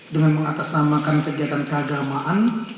dengan mengatasamakan kegiatan keagamaan